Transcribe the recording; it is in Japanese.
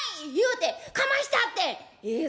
言うてかましたってん」。